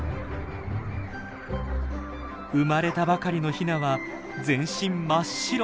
生まれたばかりのヒナは全身真っ白。